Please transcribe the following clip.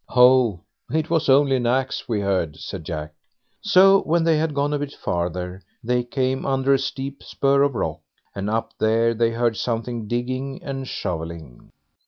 "Oh, it was only an axe we heard", said Jack. So when they had gone a bit farther, they came under a steep spur of rock, and up there they heard something digging and shovelling.